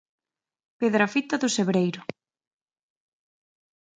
Pedrafita do Cebreiro.